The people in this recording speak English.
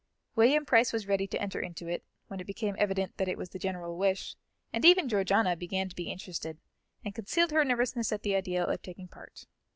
William Price was ready to enter into it, when it became evident that it was the general wish; and even Georgiana began to be interested, and concealed her nervousness at the idea of taking part.